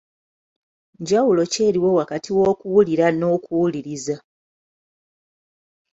Njawulo ki eriwo wakati w’okuwulira n’okuwuliriza